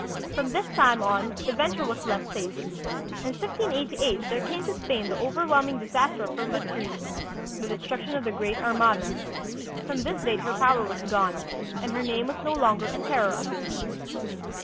From this time on the venture was less safe. In 1588 there came to Spain the overwhelming disaster of her history, the destruction of the Great Armada. From this date her power was gone, and her name was no longer a terror on the seas.